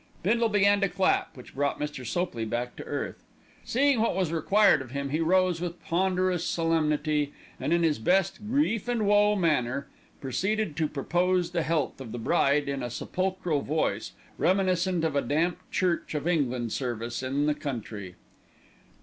Bindle began to clap, which brought Mr. Sopley back to earth. Seeing what was required of him, he rose with ponderous solemnity and, in his best "grief and woe" manner, proceeded to propose the health of the bride in a sepulchral voice, reminiscent of a damp Church of England service in the country.